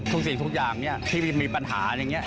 สิ่งทุกอย่างที่มีปัญหาอย่างนี้